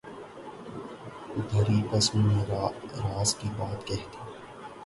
بھری بزم میں راز کی بات کہہ دی